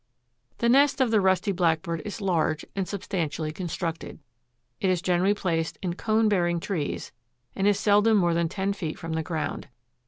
The nest of the Rusty Blackbird is large and substantially constructed. It is generally placed in cone bearing trees and is seldom more than ten feet from the ground.